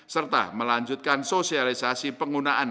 serta melanjutkan sosialisasi penggunaan